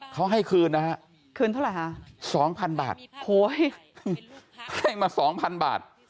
เขาให้คืน๒พันบาท